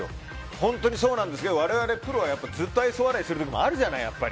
本当にそうなんですけど我々プロはずっと愛想笑いする時もあるじゃない、やっぱり。